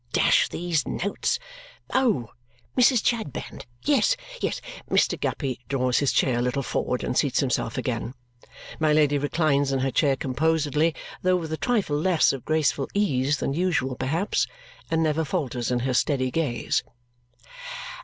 Dash these notes! Oh! 'Mrs. Chadband.' Yes." Mr. Guppy draws his chair a little forward and seats himself again. My Lady reclines in her chair composedly, though with a trifle less of graceful ease than usual perhaps, and never falters in her steady gaze.